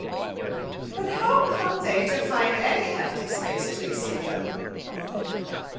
But how come they to find any empty space to receive them?